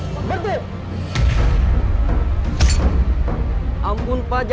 nanti kita akan berbicara